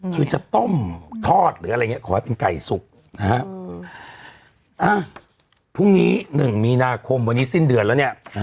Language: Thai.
คือจะต้มทอดหรืออะไรอย่างเงี้ขอให้เป็นไก่สุกนะฮะพรุ่งนี้หนึ่งมีนาคมวันนี้สิ้นเดือนแล้วเนี่ย